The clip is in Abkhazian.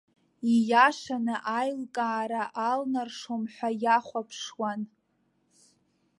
Ииашаны аилкаара алнаршом ҳәа иахәаԥшуан.